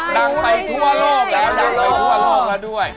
นั่งไปทั่วโลกแล้วด้วย